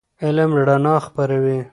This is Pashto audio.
علم رڼا خپروي.